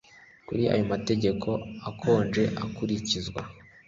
Kure yamategeko akonje akurikizwa